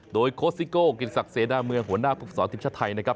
โดยโค้ชซิโก้กิจศักดิเสนาเมืองหัวหน้าภูมิสอนทีมชาติไทยนะครับ